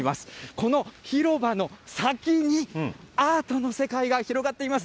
この広場の先に、アートの世界が広がっています。